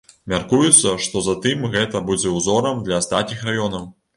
Мяркуецца, што затым гэта будзе ўзорам для астатніх раёнаў.